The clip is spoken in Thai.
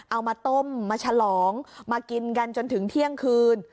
เอามาต้มมาฉลองมากินกันจนถึงเที่ยงคืน